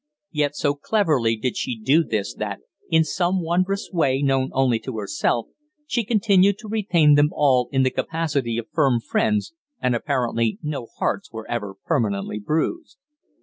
Yet so cleverly did she do this that, in some wondrous way known only to herself, she continued to retain them all in the capacity of firm friends, and apparently no hearts were ever permanently bruised.